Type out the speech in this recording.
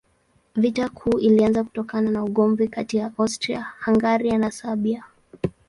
Vita Kuu ilianza kutokana na ugomvi kati ya Austria-Hungaria na Serbia.